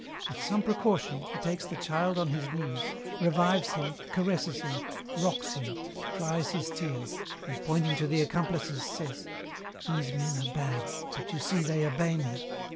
With some precaution, he takes the child on his knees, revives him, caresses him, rocks him, dries his tears, and pointing to the accomplices, says, 'These men are bad, but you see they obey me.